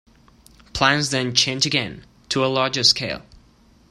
Plans then changed again, to a larger scale.